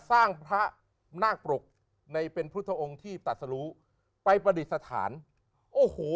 สร้างพระนาคปรกในเป็นพุทธองค์ที่ตัดสรุไปประดิษฐานโอ้โห